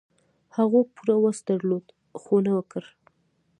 هغوی پوره وس درلود، خو و نه کړ.